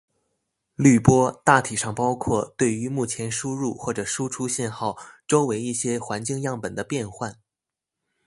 滤波大体上包括对于目前输入或者输出信号周围一些环境样本的变换。